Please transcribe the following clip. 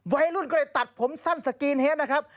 วัยรุ่นก็เลยตัดผมสั้นสกรีนเฮดนะครับ